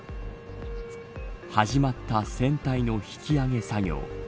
始まった船体の引き揚げ作業。